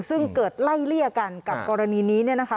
ซึ่งเกิดไล่เลี่ยกันกับกรณีนี้เนี่ยนะคะ